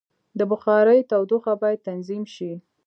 د بخارۍ تودوخه باید تنظیم شي.